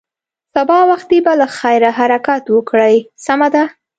سبا وختي به له خیره حرکت وکړې، سمه ده.